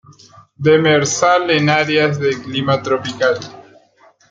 Demersal, en áreas de clima tropical.